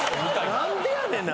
なんでやねんな。